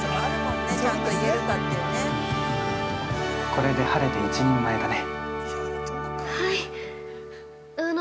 ◆これで、晴れて一人前だね。